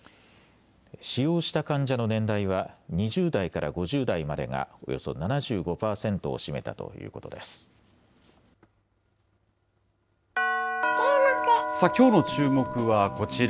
使用した患者の年代は２０代から５０代までがおよそ７５％を占めきょうのチューモク！はこちら。